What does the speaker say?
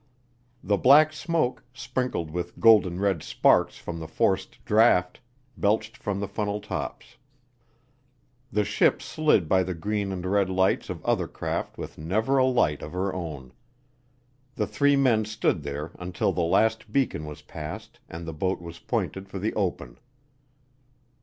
The black smoke, sprinkled with golden red sparks from the forced draft, belched from the funnel tops. The ship slid by the green and red lights of other craft with never a light of her own. The three men stood there until the last beacon was passed and the boat was pointed for the open.